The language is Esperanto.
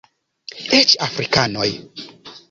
Eĉ afrikanoj!